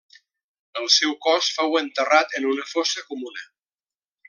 El seu cos fou enterrat en una fossa comuna.